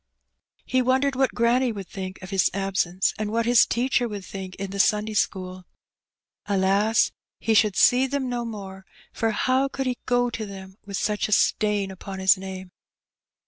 He wondered what granny would think of his absence, and what his teacher would think in the Sunday school. AJas! he should see them no more, for how could he go to them with such a stain upon his name?